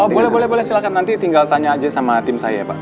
boleh boleh silahkan nanti tinggal tanya aja sama tim saya ya pak